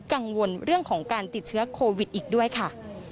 กังวลเรื่องของการติดเชื้อโควิดอีกด้วยค่ะ